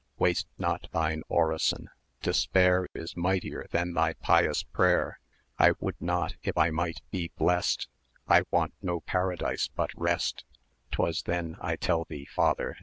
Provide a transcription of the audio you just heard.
Waste not thine orison, despair[eu] Is mightier than thy pious prayer: I would not, if I might, be blest; I want no Paradise, but rest. 1270 'Twas then I tell thee father!